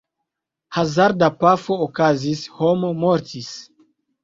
Hazarda pafo okazis, homo mortis.